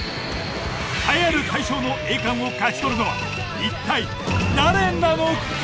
栄えある大賞の栄冠を勝ち取るのは一体誰なのか！